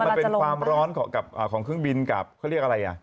มันเป็นความร้อนของเครื่องบินกับเขาเรียกอะไรอ่ะ